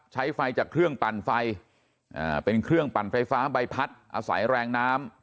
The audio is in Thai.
ใช้ไฟจากเครื่องปั่นไฟเป็นเครื่องปั่นไฟฟ้าใบพัดอาศัยแรงน้ำ